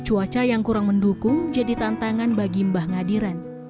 cuaca yang kurang mendukung jadi tantangan bagi mbah ngadiran